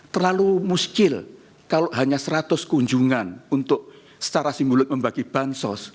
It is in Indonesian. terlalu muskil kalau hanya seratus kunjungan untuk secara simbolik membagi bansos